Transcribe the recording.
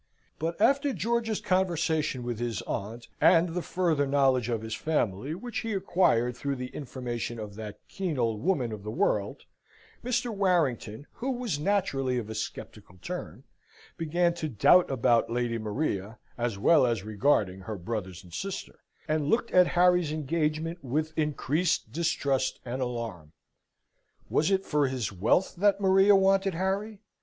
But after George's conversation with his aunt, and the further knowledge of his family, which he acquired through the information of that keen old woman of the world, Mr. Warrington, who was naturally of a sceptical turn, began to doubt about Lady Maria, as well as regarding her brothers and sister, and looked at Harry's engagement with increased distrust and alarm. Was it for his wealth that Maria wanted Harry?